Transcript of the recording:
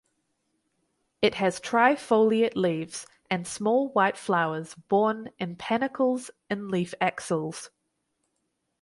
It has trifoliate leaves and small white flowers borne in panicles in leaf axils.